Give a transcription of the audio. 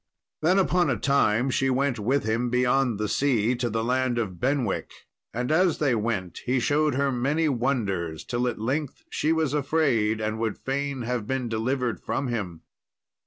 Then upon a time she went with him beyond the sea to the land of Benwicke, and as they went he showed her many wonders, till at length she was afraid, and would fain have been delivered from him.